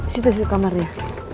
situ situ kamarnya